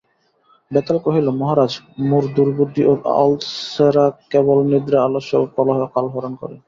বেতাল কহিল মহারাজ মূঢ় দুর্বুদ্ধি ও অলসেরাকেবল নিদ্রা আলস্য ও কলহে কালহরণ করে।